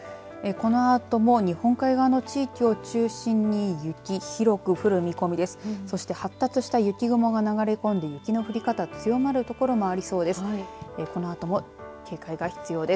このあとも日本海側の地域を中心に雪、広く降る見込みです。